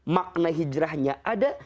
makna hijrahnya ada